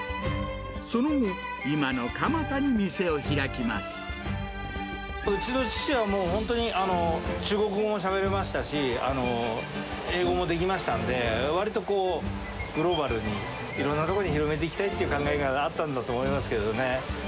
その後、うちの父はもう、本当に中国語もしゃべれましたし、英語もできましたんで、わりとグローバルに、いろいろな所に広めていきたいという考えがあったんだと思いますけどね。